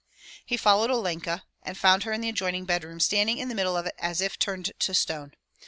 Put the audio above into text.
He followed Olenka, and found her in the adjoining bed room standing in the middle of it as if turned to stone.